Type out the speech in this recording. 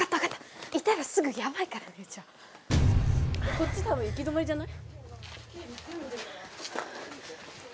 こっち多分行き止まりじゃない？